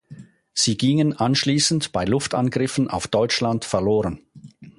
Sie gingen anschließend bei Luftangriffen auf Deutschland verloren.